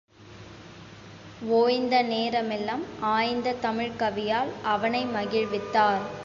ஓய்ந்த நேரமெல்லாம் ஆய்ந்த தமிழ்க்கவியால் அவனை மகிழ்வித்தார்.